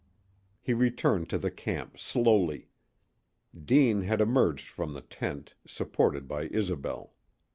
He returned to the camp slowly. Deane had emerged from the tent, supported by Isobel.